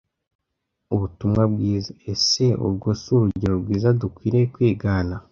ubutumwa bwiza ese urwo si urugero rwiza dukwiriye kwigana